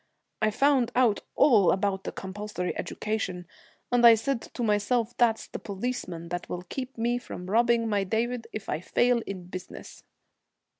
I found out all about the compulsory education, and I said to myself that's the policeman that will keep me from robbing my David if I fail in business.'